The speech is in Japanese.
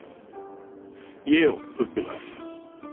家を売ってます。